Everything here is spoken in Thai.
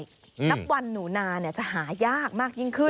นับวันหนูนาจะหายากมากยิ่งขึ้น